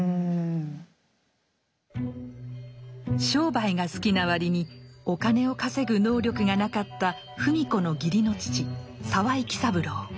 商売が好きな割にお金を稼ぐ能力がなかった芙美子の義理の父沢井喜三郎。